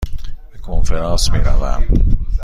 به کنفرانس می روم.